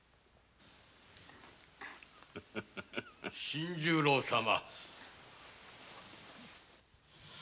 ・新十郎様。